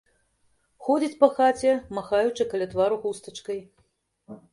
Ходзіць па хаце, махаючы каля твару хустачкай.